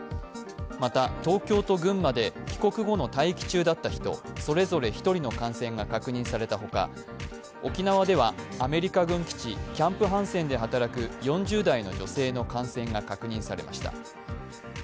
また東京と群馬で帰国後の待機中だった人それぞれ１人の感染が確認されたほか沖縄ではアメリカ軍基地、キャンプ・ハンセンで働く４０代の女性の感染が確認されました。